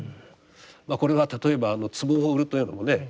これは例えば壺を売るというのもね